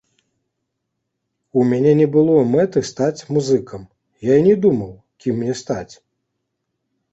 У мяне не было мэты стаць музыкам, я і не думаў, кім мне стаць.